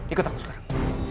ikut aku sekarang